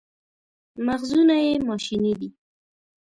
مغزونه یې ماشیني دي.